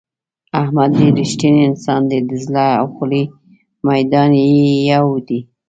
احمد ډېر رښتینی انسان دی د زړه او خولې میدان یې یو دی.